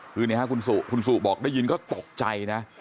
คือในฮะคุณสู่คุณสู่บอกได้ยินก็ตกใจนะ